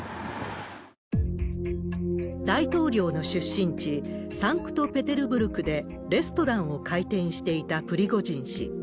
大統領の出身地、サンクトペテルブルクでレストランを開店していたプリゴジン氏。